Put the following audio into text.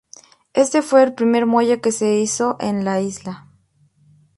Éste fue el primer muelle que se hizo en la isla.